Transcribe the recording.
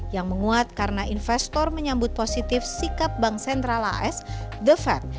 yang menguat karena investor menyambut positif sikap bank sentral as the fed